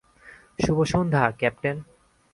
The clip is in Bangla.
শুভসন্ধ্যা, ক্যাপ্টেন।